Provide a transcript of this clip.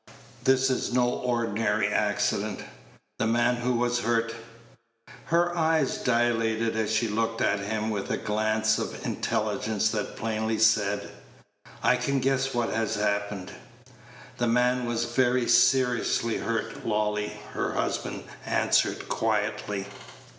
This is no ordinary accident. The man who was hurt " Her eyes dilated as she looked at him with a glance of intelligence that plainly said, "I can guess what has happened." "The man was very seriously hurt, Lolly," her husband answered, quietly.